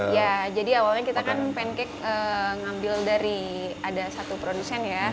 ya jadi awalnya kita kan pancake ngambil dari ada satu produsen ya